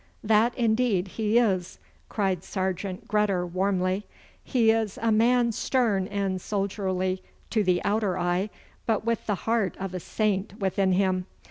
'That, indeed, he is,' cried Sergeant Gredder warmly. 'He is a man stern and soldierly to the outer eye, but with the heart of a saint within him.